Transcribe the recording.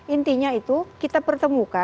intinya itu kita pertemukan pihak pihak